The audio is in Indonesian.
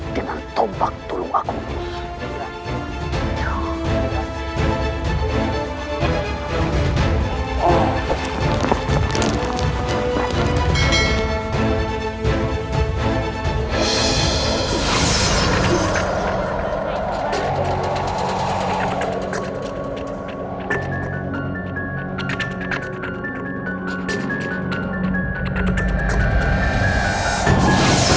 dengan tongkat turun aku ini